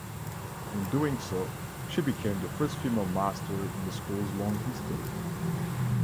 In doing so, she became the first female master in the school's long history.